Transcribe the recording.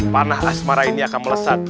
panah asmara ini akan melesat